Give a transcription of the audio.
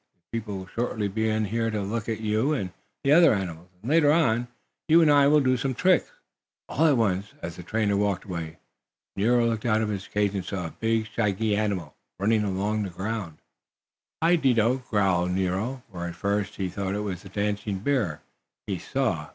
The people will shortly be in here to look at you and the other animals, and, later on, you and I will do some tricks." All at once, as the trainer walked away, Nero looked out of his cage and saw a big shaggy animal running along on the ground. "Hello, Dido!" growled Nero, for at first he thought it was the dancing bear he saw.